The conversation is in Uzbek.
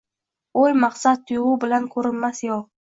Oʻy, maqsad, tuygʻu bilan koʻrinmas yov